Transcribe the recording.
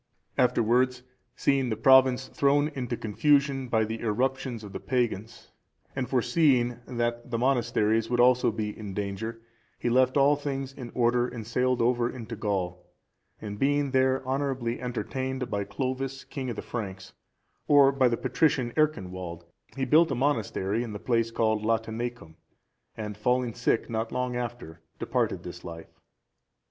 Afterwards seeing the province thrown into confusion by the irruptions of the pagans,(389) and foreseeing that the monasteries would also be in danger, he left all things in order, and sailed over into Gaul, and being there honourably entertained by Clovis, king of the Franks,(390) or by the patrician Ercinwald, he built a monastery in the place called Latineacum,(391) and falling sick not long after, departed this life.